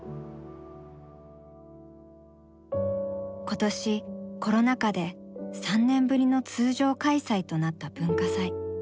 今年コロナ禍で３年ぶりの通常開催となった文化祭。